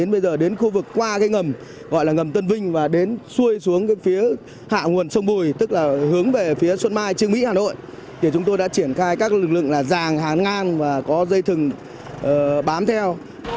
bây giờ đến khu vực qua cái ngầm gọi là ngầm tân vinh và đến xuôi xuống cái phía hạ nguồn sông bùi tức là hướng về phía xuân mai trương mỹ hà nội thì chúng tôi đã triển khai các lực lượng là giàng háng và có dây thừng bám theo